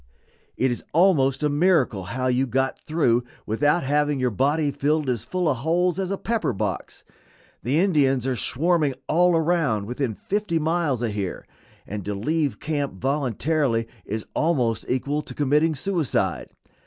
It is almost a miracle how you got through without having your body filled as full of holes as a pepper box. The Indians are swarming all around within fifty miles of here, and to leave camp voluntarily is almost equal to committing suicide.